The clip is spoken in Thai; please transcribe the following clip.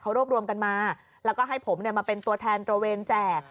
เขารวบรวมกันมาแล้วก็ให้ผมมาเป็นตัวแทนตระเวนแจก